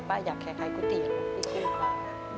ป้าอยากแคลคายกุฏิอย่างนี้ค่ะ